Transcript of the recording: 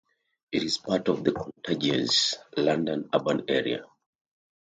It is part of the contiguous London urban area.